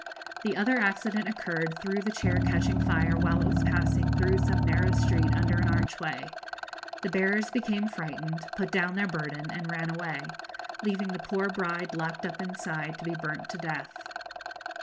The other accident occurred through the chair catching fire while it was passing through some narrow street under an archway. The bearers became frightened, put down their burden, and ran away, leaving the poor bride locked up inside to be burnt to death.